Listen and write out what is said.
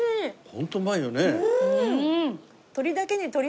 ホントうまいよね。